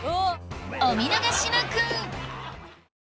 お見逃しなく！